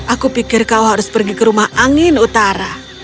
aku pikir kau harus pergi ke rumah angin utara